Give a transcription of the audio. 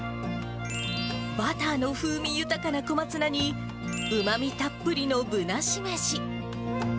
バターの風味豊かな小松菜に、うまみたっぷりのぶなしめじ。